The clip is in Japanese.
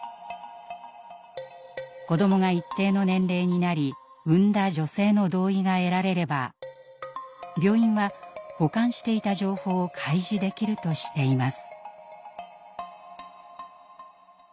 子どもが一定の年齢になり産んだ女性の同意が得られれば病院は保管していた情報を開示できるとしています。